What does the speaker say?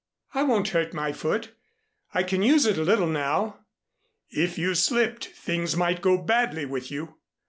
"I won't hurt my foot. I can use it a little now." "If you slipped, things might go badly with you."